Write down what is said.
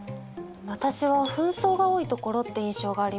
私は紛争が多いところって印象があります。